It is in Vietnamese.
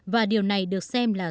và điều này được xem là